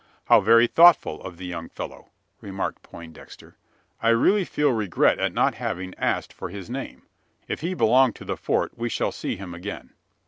"How very thoughtful of the young fellow!" remarked Poindexter. "I really feel regret at not having asked for his name. If he belong to the Fort, we shall see him again."